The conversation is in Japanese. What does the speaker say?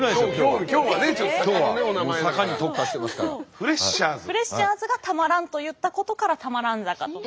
フレッシャーズがたまらんと言ったことから多摩蘭坂と。